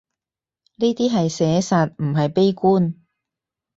呢啲係寫實，唔係悲觀